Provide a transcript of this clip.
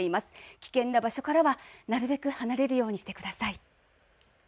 危険な場所からはなるべく離れるようにしてください。